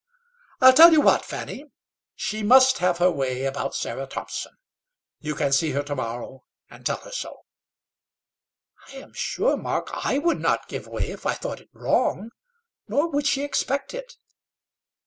"I'll tell you what, Fanny: she must have her way about Sarah Thompson. You can see her to morrow and tell her so." "I am sure, Mark, I would not give way, if I thought it wrong. Nor would she expect it."